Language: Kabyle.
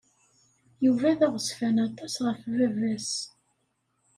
Yuba d aɣezfan aṭas ɣef baba-s.